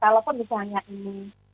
kalau pun misalnya ini